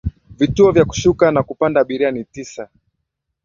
Vituo vya kushuka na kupanda abiria ni tisa